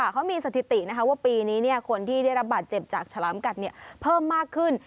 เขามีสถิติว่าปีนี้คนที่ได้รับบาดเจ็บจากฉลามกัดเพิ่มมากขึ้น